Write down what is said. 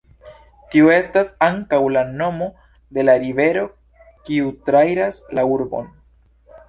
Tiu estas ankaŭ la nomo de la rivero kiu trairas la urbon.